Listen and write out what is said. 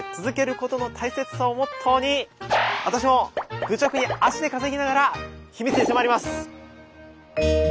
続けることの大切さ」をモットーに私も愚直に足で稼ぎながら秘密に迫ります！